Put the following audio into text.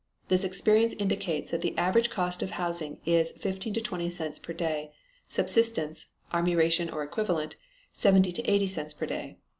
This experience indicates that the average cost of housing is 15 to 20 cents per day; subsistence (army ration or equivalent), 70 to 80 cents per day.